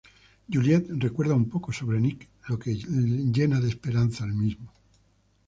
Juliette recuerda un poco sobre Nick, lo que llena de esperanza al mismo.